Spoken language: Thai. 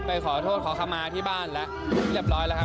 ไปขอโทษขอคำมาที่บ้านแล้วเรียบร้อยแล้วครับ